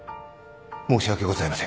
申し訳ございません